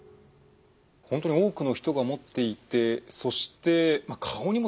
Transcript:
本当に多くの人が持っていてそして顔にもできる可能性がある。